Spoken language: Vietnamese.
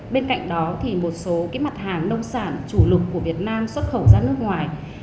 bên cạnh đó thì một số mặt hàng nông sản chủ lực của việt nam xuất khẩu ra nước ngoài